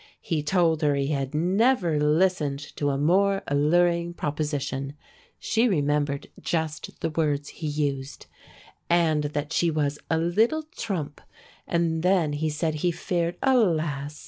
He told her he had "never listened to a more alluring proposition" (she remembered just the words he used), and that she was "a little trump"; and then he said he feared, alas!